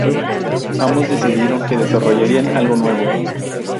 Ambos decidieron que desarrollarían algo nuevo.